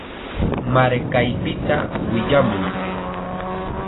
Markaypita willamuy.